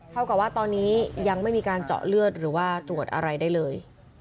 เท่ากับว่าตอนนี้ยังไม่มีการเจาะเลือดหรือว่าตรวจอะไรได้เลย